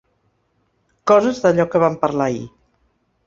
Coses d'allò que vam parlar ahir.